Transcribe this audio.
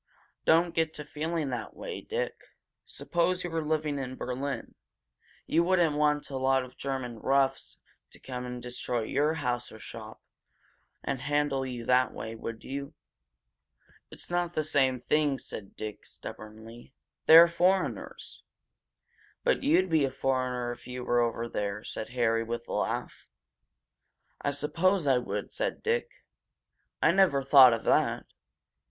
"Don't get to feeling that way, Dick. Suppose you were living in Berlin. You wouldn't want a lot of German roughs to come and destroy your house or your shop and handle you that way, would you?" "It's not the same thing," said Dick, stubbornly. "They're foreigners." "But you'd be a foreigner if you were over there!" said Harry, with a laugh. "I suppose I would," said Dick. "I never thought of that!